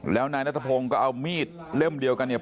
แล้วนายนัทพงศ์ก็เอามีดเล่มเดียวกันเนี่ย